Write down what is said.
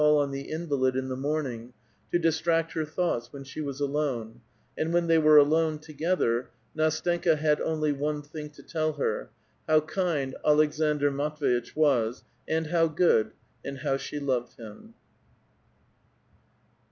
ll on the invalid in the morning, to distract her thoughts ^irbeii she was alone, and when they were alone together, N^tstenka had only one thing to tell her, how kind Aleks anclx Matv^itch was, and how good, and how she loved him.